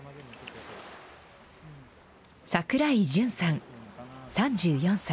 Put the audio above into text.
櫻井純さん３４歳。